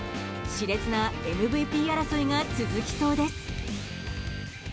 熾烈なＭＶＰ争いが続きそうです。